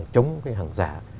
chống cái hàng giả